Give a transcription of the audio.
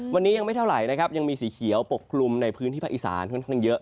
วันนี้ยังไม่เท่าไหร่นะครับยังมีสีเขียวปกคลุมในพื้นที่ภาคอีสานค่อนข้างเยอะ